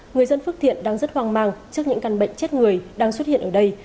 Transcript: người dân phước thiện đang rất hoang mang trước những căn bệnh chết người đang xuất hiện ở đây